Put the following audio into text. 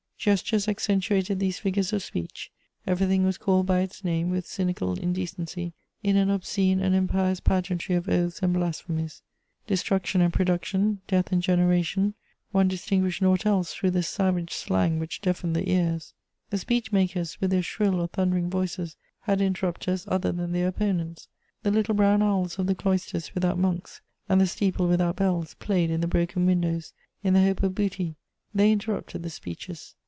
Gestures accentuated these figures of speech; everything was called by its name, with cynical indecency, in an obscene and impious pageantry of oaths and blasphemies. Destruction and production, death and generation, one distinguished naught else through the savage slang which deafened the ears. The speech makers, with their shrill or thundering voices, had interrupters other than their opponents: the little brown owls of the cloisters without monks and the steeple without bells played in the broken windows, in the hope of booty; they interrupted the speeches.